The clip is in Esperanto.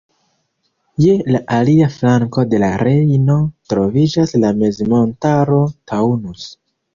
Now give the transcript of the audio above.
Je la alia flanko de la Rejno troviĝas la mezmontaro Taunus.